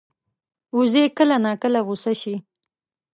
وزې کله ناکله غوسه شي